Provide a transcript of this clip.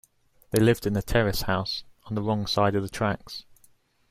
They lived in a terrace house, on the wrong side of the tracks